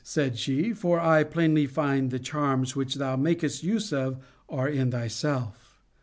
said she, for I plainly find the charms which thou makest use of are in thyself.